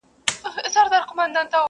بشري حقونه دا پېښه غندي او نيوکي کوي سخت,